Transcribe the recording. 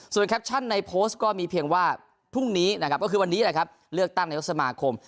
ส่วนแคปชั่นในโพสก์ก็เพียงว่าพรุ่งนี้ก็คือวันนี้เลือกตั้งนายกสมาคม